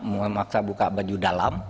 memaksa buka baju dalam